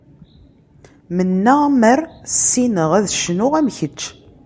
Mennaɣ mer ssineɣ ad cnuɣ am kečč.